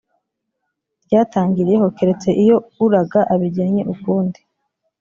ryatangiriyeho keretse iyo uraga abigennye ukundi